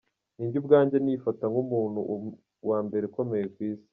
Njye ubwanjye nifata nk’umuntu wa mbere ukomeye ku isi.